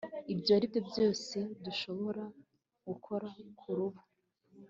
ibyo aribyo byose dushobora gukora kurubu